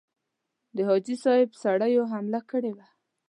د حاجي صاحب سړیو حمله کړې وه.